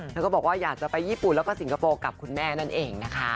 แล้วก็บอกว่าอยากจะไปญี่ปุ่นแล้วก็สิงคโปร์กับคุณแม่นั่นเองนะคะ